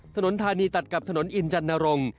ถนนทานีตัดกับถนนอินจันทร์นรง